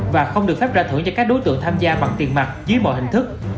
và không được phép ra thưởng cho các đối tượng tham gia bằng tiền mặt dưới mọi hình thức